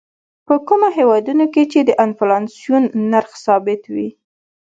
په کومو هېوادونو کې چې د انفلاسیون نرخ ثابت وي.